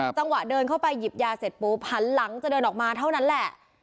จังหวะเดินเข้าไปหยิบยาเสร็จปุ๊บหันหลังจะเดินออกมาเท่านั้นแหละ